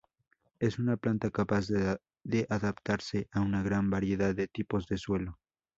Es una planta capaz de adaptarse a una gran variedad de tipos de suelo.